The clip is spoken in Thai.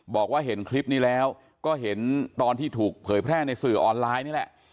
บอกว่าเห็นคลิปนี้แล้วก็เห็นตอนที่ถูกเผยแพร่ในสื่อออนไลน์นี่แหละ